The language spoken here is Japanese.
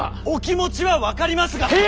お気持ちは分かりますが。